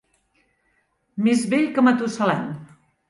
Més vell que Matusalem.